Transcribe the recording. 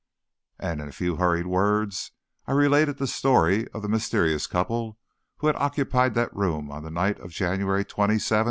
And in a few hurried words I related the story of the mysterious couple who had occupied that room on the night of January 27, 1775.